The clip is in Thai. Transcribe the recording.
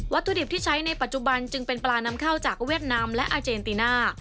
ถุดิบที่ใช้ในปัจจุบันจึงเป็นปลานำเข้าจากเวียดนามและอาเจนติน่า